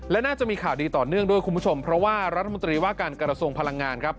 และน่าจะมีข่าวดีต่อเนื่องด้วยคุณผู้ชมเพราะว่ารัฐมนตรีว่าการกระทรวงพลังงานครับ